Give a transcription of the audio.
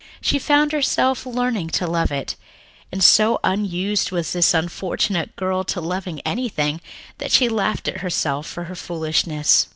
She found herself learning to love it, and so unused was this unfortunate girl to loving anything that she laughed at herself for her foolishness.